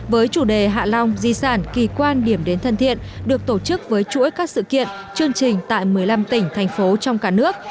với chủ đề hạ long di sản kỳ quan điểm đến thân thiện được tổ chức với chuỗi các sự kiện chương trình tại một mươi năm tỉnh thành phố trong cả nước